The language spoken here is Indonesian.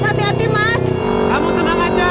kamu tenang aja